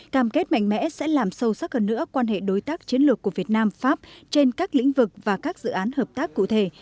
cam kết mạnh mẽ sẽ làm sâu sắc hơn nữa quan hệ đối tác chiến lược của việt nam pháp trên các lĩnh vực và các dự án hợp tác cụ thể